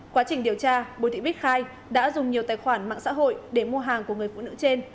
quá trình điều tra bùi thị bích khai đã dùng nhiều tài khoản mạng xã hội để mua hàng của người phụ nữ trên